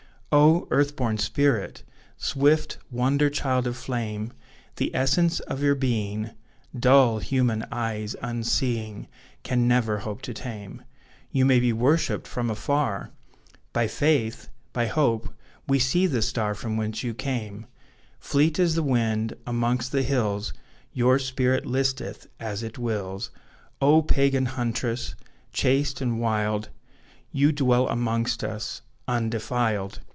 Oh! earth born spirit! Swift wonder child of flame; The essence of your being, Dull human eyes, unseeing, Can never hope to tame; You may be worshipped from afar! By faith, by hope, we see the star From whence, you came: Fleet as the wind amongst the hills Your spirit listeth as it wills; Oh Pagan huntress, chaste and wild, You dwell amongst us, undefiled!